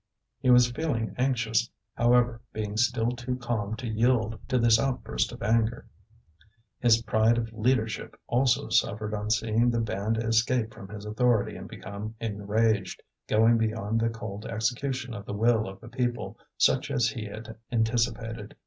He was feeling anxious, however, being still too calm to yield to this outburst of anger. His pride of leadership also suffered on seeing the band escape from his authority and become enraged, going beyond the cold execution of the will of the people, such as he had anticipated.